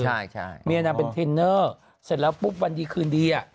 ใช่ฮะเทรนเนอร์เสร็จแล้วปุ๊บวันนี้คื่นที่นี่อ่ะ